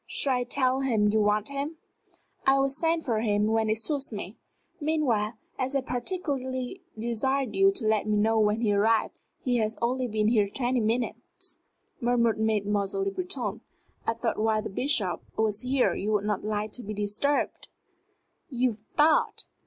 Shall I tell him you want him?" "I will send for him when it suits me. Meanwhile, as I particularly desired you to let me know when he arrived " "He has only been here twenty minutes," murmured Mademoiselle Le Breton. "I thought while the Bishop was here you would not like to be disturbed " "You thought!"